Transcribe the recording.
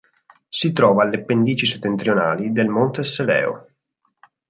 Si trova alle pendici settentrionali del monte Sereo.